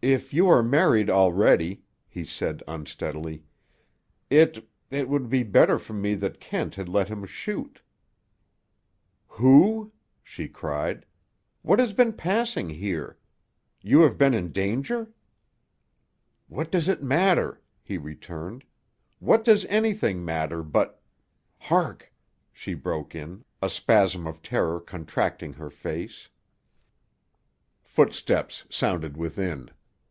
"If you are married already," he said unsteadily, "it—it would be better for me that Kent had let him shoot." [Illustration: She sat at the window, bowered in roses.] "Who?" she cried. "What has been passing, here? You have been in danger?" "What does it matter?" he returned. "What does anything matter but—" "Hark!" she broke in, a spasm of terror contracting her face. Footsteps sounded within.